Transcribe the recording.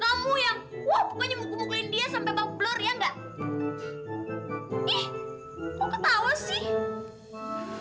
ih kok ketawa sih